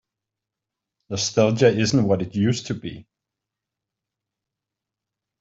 Nostalgia isn't what it used to be.